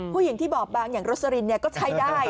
ผู้หญิงที่บอบบางอย่างโรสลินก็ใช้ได้